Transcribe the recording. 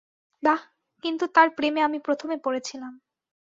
বাহ, কিন্তু তার প্রেমে আমি প্রথমে পড়েছিলাম।